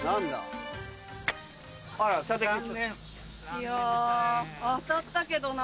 いや当たったけどな。